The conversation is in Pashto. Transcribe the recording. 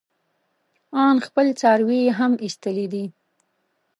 ان خپل څاروي يې هم ايستلي دي.